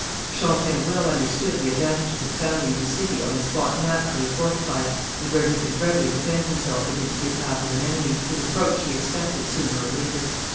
Champlain well understood the advantages of founding his city on a spot naturally fortified and where he could readily defend himself against the attack of an enemy, whose approach he expected sooner or later.